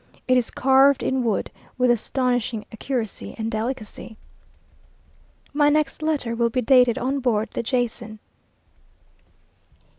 It is carved in wood, with astonishing accuracy and delicacy. My next letter will be dated on board the Jason.